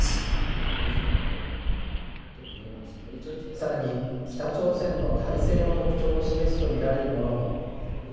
さらに、北朝鮮の体制の特徴を示すと見られるものも。